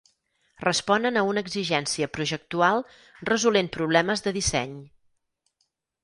Responen a una exigència projectual resolent problemes de disseny.